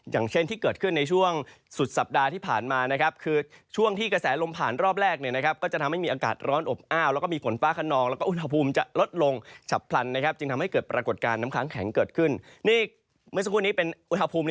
อย่างเช่นที่เกิดขึ้นในช่วงสุดสัปดาห์ที่ผ่านมานะครับคือช่วงที่กระแสลมผ่านรอบแรกเนี่ยนะครับก็จะทำให้มีอากาศร้อนอบอ้าวแล้วก็มีฝนฟ้าขนองแล้วก็อุณหภูมิจะลดลงฉับพลันนะครับจึงทำให้เกิดปรากฏการณ์น้ำค้างแข็งเกิดขึ้นนี่เมื่อสักครู่นี้เป็นอุณหภูมิ